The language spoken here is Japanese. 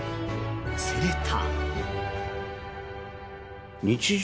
すると。